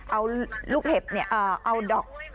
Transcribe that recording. เอาลูกเห็บเอาดอก